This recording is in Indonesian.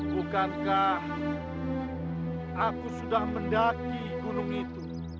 bukankah aku sudah mendaki gunung itu